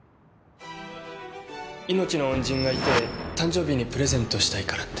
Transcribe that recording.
命の恩人がいて誕生日にプレゼントしたいからって